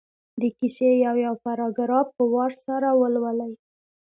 د کیسې یو یو پراګراف په وار سره ولولي.